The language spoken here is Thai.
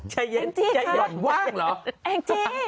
ชัยเย็นรอบว่างหรอ